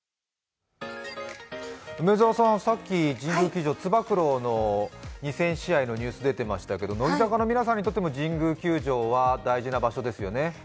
梅澤さん、さっき神宮球場、つば九郎の２０００試合のニュース、出てましたけど、乃木坂にとっても神宮球場は大事な場所ですよね。